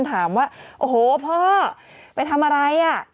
ถามว่าโอ้โหพ่อไปทำอะไรอ่ะ